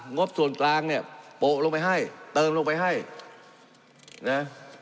บส่วนกลางเนี่ยโปะลงไปให้เติมลงไปให้นะ